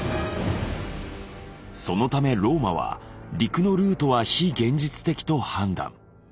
そのためローマは陸のルートは非現実的と判断。